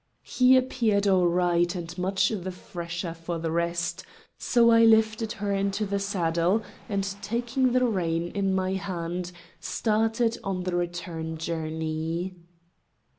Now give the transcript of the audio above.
He appeared all right and much the fresher for the rest, so I lifted her into the saddle, and taking the rein in my hand started on the return journey.